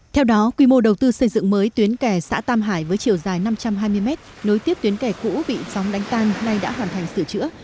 theo đó quy mô đầu tư xây dựng mới tuyến kè xã tam hải với chiều dài năm trăm hai mươi mét nối tiếp tuyến kè cũ bị sóng đánh tan nay đã hoàn thành sửa chữa